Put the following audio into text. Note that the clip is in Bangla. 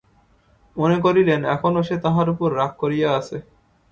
মনে করিলেন এখনও সে তাঁহার উপর রাগ করিয়া আছে।